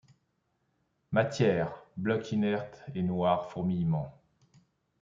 Matière ! bloc inerte et noir fourmillement !